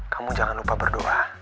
kamu jangan lupa berdoa